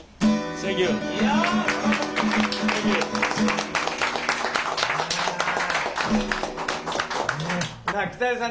さあ北出さん